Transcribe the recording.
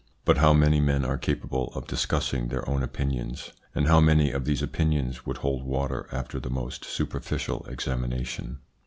But how many men are capable of discussing their own opinions, and how many of these opinions would hold water after the most superficial examination